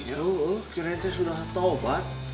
ya udah akhirnya dia sudah tobat